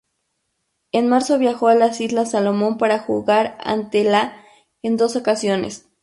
En marzo viajó a las Islas Salomón para jugar ante la en dos ocasiones.